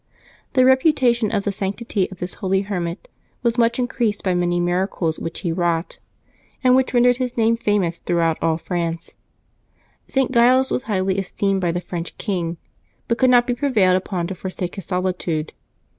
The reputation of the sanctity of this holy hermit was much increased by many miracles which he wrought, and which rendered his name 302 LIVES OF THE SAINTS [Septembeb 2 famous througliout all France. St. Giles was highly es teemed by the French king, but could not be prevailed upon to forsake his solitude.